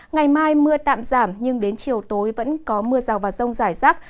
ngày mai mưa tạm giảm nhưng đến chiều tối vẫn có mưa rào và rông rải rác